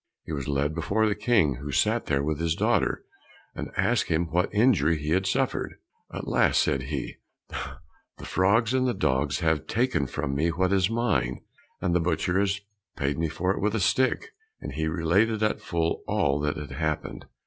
He was led before the King, who sat there with his daughter, and asked him what injury he had suffered. "Alas!" said he, "the frogs and the dogs have taken from me what is mine, and the butcher has paid me for it with the stick," and he related at full length all that had happened.